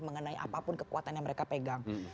mengenai apapun kekuatan yang mereka pegang